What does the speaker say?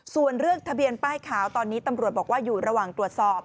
ส่วนเรื่องทะเบียนป้ายขาวตอนนี้ตำรวจบอกว่าอยู่ระหว่างตรวจสอบ